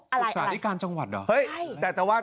ศึกษาธิการจังหวัดเหรอ